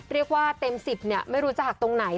เรียกว่าเต็ม๑๐เนี่ยไม่รู้จะหักตรงไหน